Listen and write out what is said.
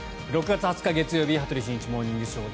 ６月２０日、月曜日「羽鳥慎一モーニングショー」。